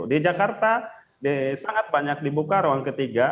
di jakarta sangat banyak dibuka ruang ketiga